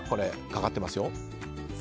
かかってますよ。